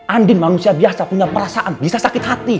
andin manusia biasa punya perasaan bisa sakit hati